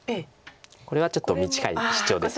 これはちょっと短いシチョウです。